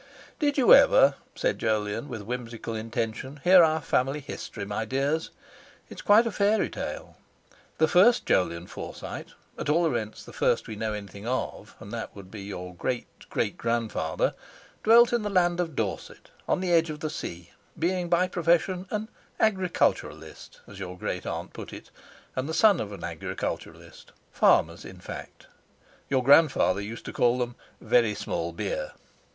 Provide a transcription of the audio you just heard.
"Did you ever," said Jolyon with whimsical intention, "hear our family history, my dears? It's quite a fairy tale. The first Jolyon Forsyte—at all events the first we know anything of, and that would be your great great grandfather—dwelt in the land of Dorset on the edge of the sea, being by profession an 'agriculturalist,' as your great aunt put it, and the son of an agriculturist—farmers, in fact; your grandfather used to call them, 'Very small beer.